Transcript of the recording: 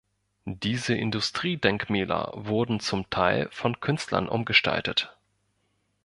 Diese Industriedenkmäler wurden zum Teil von Künstlern umgestaltet.